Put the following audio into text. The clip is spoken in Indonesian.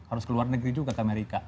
harus ke luar negeri juga ke amerika